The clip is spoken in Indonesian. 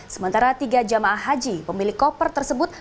sementara tiga jamaah haji pemilik koper tersebut